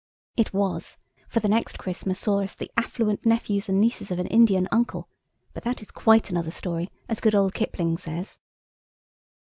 (It was; for the next Christmas saw us the affluent nephews and nieces of an Indian uncle–but that is quite another story, as good old Kipling says.)